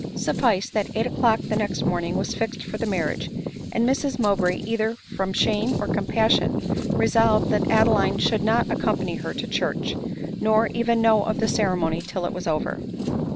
Suffice, that eight o'clock the next morning was fixed for the marriage 5 and Mrs Mowbray, either from shame or compassion, resolved that Adeline should not accompany her to church, nor even know of the ceremony till it was over.